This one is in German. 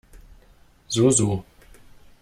So, so.